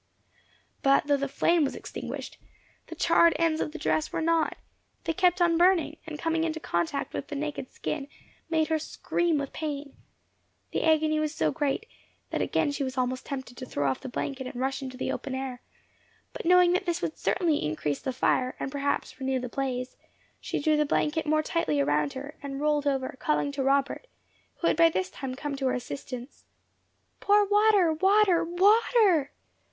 But though the flame was extinguished, the charred ends of the dress were not; they kept on burning, and coming into contact with the naked skin, made her scream with pain. The agony was so great, that again she was almost tempted to throw off the blanket and rush into the open air, but knowing that this would certainly increase the fire, and perhaps renew the blaze, she drew the blanket more tightly around her, and rolled over, calling to Robert, who had by this time come to her assistance. "Pour on water water WATER!"